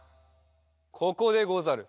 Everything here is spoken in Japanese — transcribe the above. ここでござる！